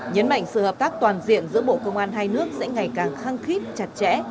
nhấn mạnh sự hợp tác toàn diện giữa bộ công an hai nước sẽ ngày càng khăng khít chặt chẽ